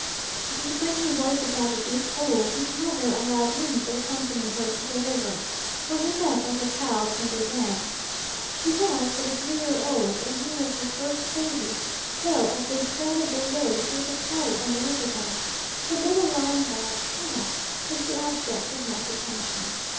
But when he was about a week old his mother allowed him to accompany her to the river, where he met other calves and their dams. She was but a three year old, and he was her first baby; so, as they threaded their way through the cattle on the river bank the little line back calf was the object of much attention.